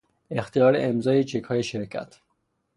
اختیار امضای چکهای شرکت